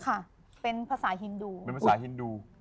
ค่ะเป็นภาษาฮินดู